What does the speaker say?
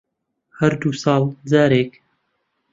هەر دوو ساڵ جارێک